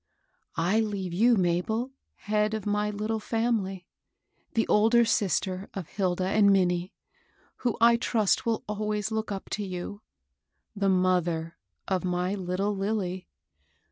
" I leave you, Mabel, head of my little family, — the older sister of Hilda and Minnie, who I trust will always look up to yod, — the mother of 16 MABEL ROSS. my little Lilly.